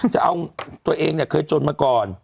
จะเอาตัวเองเนี่ยเคยจนมาก่อน